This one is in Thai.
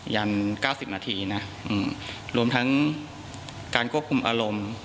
ยันเก้าสิบนาทีนะอืมรวมทั้งการควบคุมอารมณ์